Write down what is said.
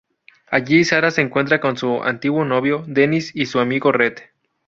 Allí, Sara se encuentra con su antiguo novio, Dennis y su amigo, Red.